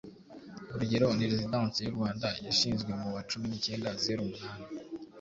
urugero ni Residence y'u Rwanda yashinzwe mu wa cumi nicyenda zeru umunani